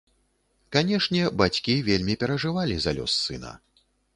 Канешне, бацькі вельмі перажывалі за лёс сына.